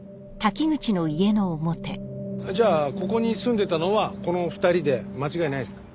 じゃあここに住んでたのはこの２人で間違いないですか？